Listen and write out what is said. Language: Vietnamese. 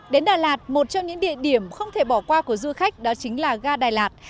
đến đà lạt một trong những địa điểm không thể bỏ qua của du khách đó chính là ga đà lạt